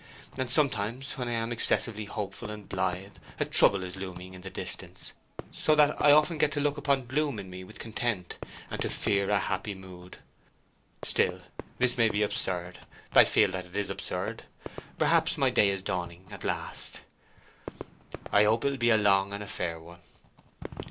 And sometimes, when I am excessively hopeful and blithe, a trouble is looming in the distance: so that I often get to look upon gloom in me with content, and to fear a happy mood. Still this may be absurd—I feel that it is absurd. Perhaps my day is dawning at last." "I hope it 'ill be a long and a fair one."